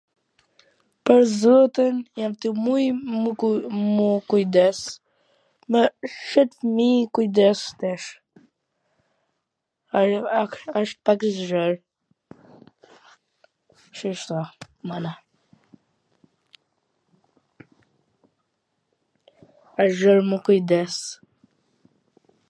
Pwr zotin jam tuj muj m u kujdes, me shoqni kujdes, tesh, asht pak zor, qishta, mana, asht zor m u kujdes